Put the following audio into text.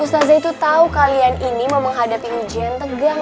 ustazah itu tau kalian ini mau menghadapi ujian tegang